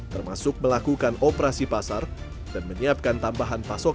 termasuk melakukan operasi pasar dan menyiapkan tambahan pasokan